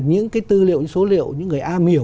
những cái tư liệu những số liệu những người a hiểu